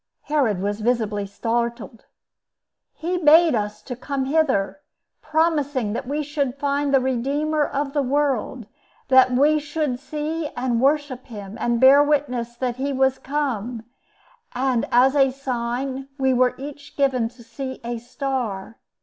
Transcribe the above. Herod was visibly startled. "He bade us come hither, promising that we should find the Redeemer of the World; that we should see and worship him, and bear witness that he was come; and, as a sign, we were each given to see a star.